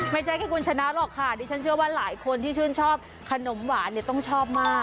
ไม่ใช่แค่คุณชนะหรอกค่ะดิฉันเชื่อว่าหลายคนที่ชื่นชอบขนมหวานเนี่ยต้องชอบมาก